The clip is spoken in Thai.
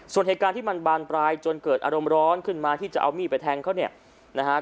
ส่วนเหตุการณ์ที่มันบานปลายจนเกิดอารมณ์ร้อนขึ้นมาที่จะเอามีดไปแทงเขาเนี่ยนะฮะ